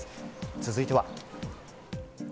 続いては。